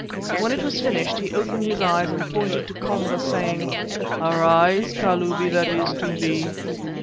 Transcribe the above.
When it was finished he opened his eyes and pointed to Komba, saying: "Arise, Kalubi that is to be."